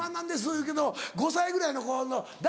言うけど５歳ぐらいの子の「誰？